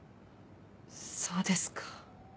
そうですか。